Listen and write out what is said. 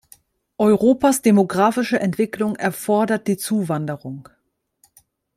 Europas demographische Entwicklung erfordert die Zuwanderung.